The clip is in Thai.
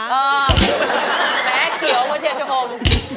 แม้เกี่ยวว่าเชียวอม